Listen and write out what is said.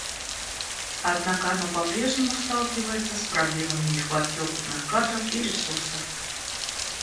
Однако оно по-прежнему сталкивается с проблемами нехватки опытных кадров и ресурсов.